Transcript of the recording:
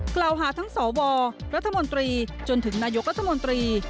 กล่าวหาทั้งสวรัฐมนตรีจนถึงนายกรัฐมนตรี